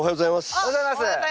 おはようございます。